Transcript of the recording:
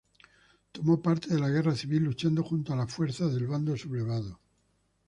Tomó parte en la Guerra civil, luchando junto a las fuerzas del Bando sublevado.